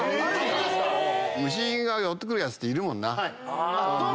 虫が寄ってくるやつっているもんな。